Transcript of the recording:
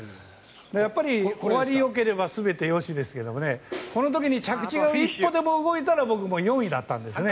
やっぱり終わりよければ全てよしですがこの時に着地が一歩でも動いたら僕、４位だったんですね。